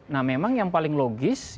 nah memang yang paling logis